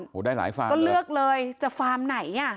โอ้โหได้หลายฟาร์มก็เลือกเลยจะฟาร์มไหนอ่ะ